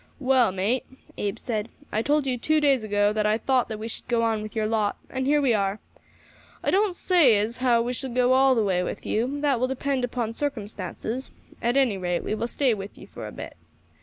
"Well, mate," Abe said, "I told you two days ago that I thought that we should go on with your lot, and here we are. I don't say as how we shall go all the way with you; that will depend upon circumstances; at any rate we will stay with ye for a bit.